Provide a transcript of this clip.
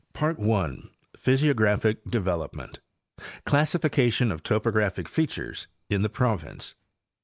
Parr J—PuystocrRapuic DEVELOPMENT. CLASSIFICATION OF TOPOGRAPHIC FEATURES IN THE PROVINCE.